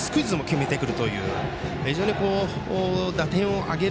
そして、スクイズも決めてくるという非常に打点を挙げる